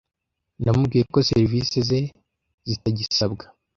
Namubwiye ko serivisi ze zitagisabwa.